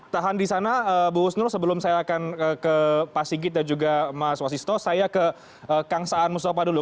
tahan di sana bu husnul sebelum saya akan ke pak sigit dan juga mas wasisto saya ke kang saan mustafa dulu